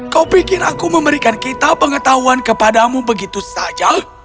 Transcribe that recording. kau pikir aku memberikan kita pengetahuan kepadamu begitu saja